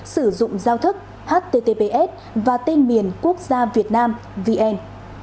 sử dụng giao thức https và tên miền quốc gia việt nam vn